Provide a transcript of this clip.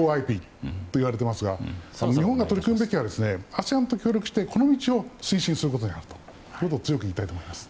ＡＯＩＰといわれていますが日本が取り組むべきはＡＳＥＡＮと協力してこの道を推進することにあると申し上げておきます。